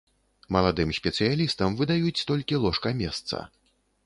Маладым спецыялістам выдаюць толькі ложка-месца.